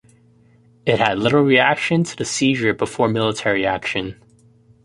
It had little reaction to the seizure before military action.